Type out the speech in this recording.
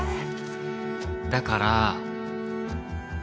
だから。